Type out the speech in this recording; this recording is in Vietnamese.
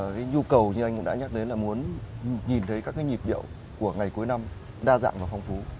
cái nhu cầu như anh cũng đã nhắc đến là muốn nhìn thấy các cái nhịp điệu của ngày cuối năm đa dạng và phong phú